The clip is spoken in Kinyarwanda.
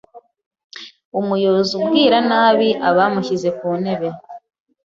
Umuyobozi ubwira nabi abamushyize ku ntebe